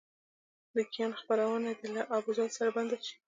د کیان خپرونه دې له ابوزید سره بنده شي.